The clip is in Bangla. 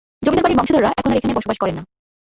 জমিদার বাড়ির বংশধররা এখন আর এখানে বসবাস করেন না।